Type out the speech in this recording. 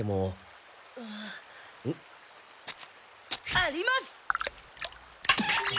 あります！